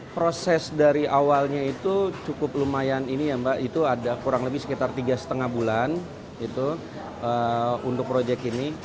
proses dari awalnya itu cukup lumayan ini ya mbak itu ada kurang lebih sekitar tiga lima bulan untuk proyek ini